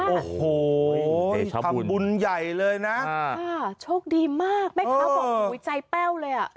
โอ้โหทำบุญใหญ่เลยนะโชคดีมากแม่ค้าบอกใจแป้วเลยอ่ะ